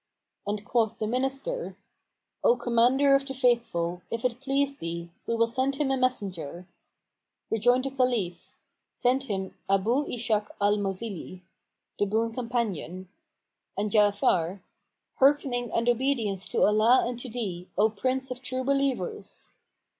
And quoth the Minister, "O Commander of the Faithful, if it please thee, we will send him a messenger. Rejoined the Caliph, "Send him Abu Ishak al Mausili,[FN#477] the boon companion," and Ja'afar, "Hearkening and obedience to Allah and to thee, O Prince of True Believers!"